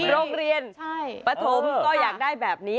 โรงเรียนปฐมก็อยากได้แบบนี้